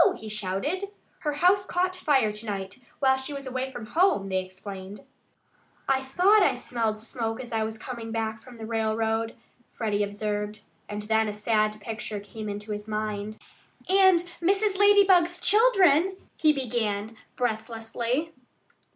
he shouted. "Her house caught fire to night, while she was away from home," they explained. "I thought I smelled smoke as I was coming back from the railroad," Freddie observed. And then a sad picture came into his mind. "And Mrs. Lady bug's children " he began breathlessly.